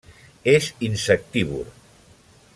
És insectívor.